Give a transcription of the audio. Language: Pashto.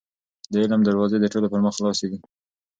د علم دروازې د ټولو پر مخ خلاصې دي.